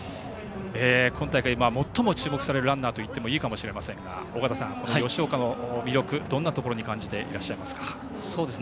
今大会最も注目されるランナーといってもいいかもしれませんが尾方さん、吉岡の魅力どんなところに感じていますか？